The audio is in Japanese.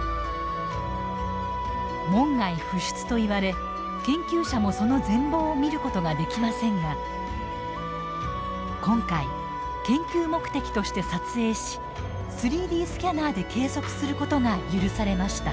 門外不出といわれ研究者も、その全貌を見ることができませんが今回、研究目的として撮影し３Ｄスキャナーで計測することが許されました。